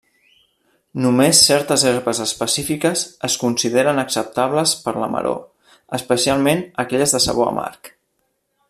Només certes herbes específiques es consideren acceptables per la maror, especialment aquelles de sabor amarg.